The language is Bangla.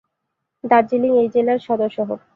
দার্জিলিং এই জেলার সদর শহর।